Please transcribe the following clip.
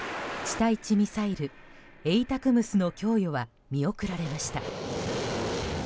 対地ミサイルＡＴＡＣＭＳの供与は見送られました。